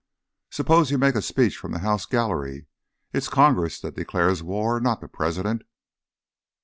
"Suppose you make a speech from the House Gallery. It is Congress that declares war, not the President."